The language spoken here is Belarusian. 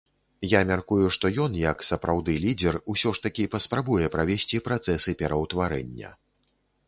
Я мяркую, што ён, як сапраўды лідэр, усё ж такі паспрабуе правесці працэсы пераўтварэння.